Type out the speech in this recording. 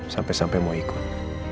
sampai sampai mau ikut